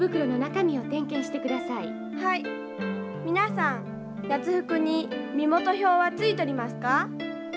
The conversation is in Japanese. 皆さん夏服に身元票はついとりますか？